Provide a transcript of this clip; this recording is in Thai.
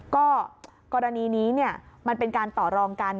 ก็กรณีนี้มันเป็นการต่อรองกัน